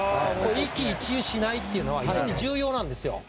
一喜一憂しないというのは非常に重要なんですよ。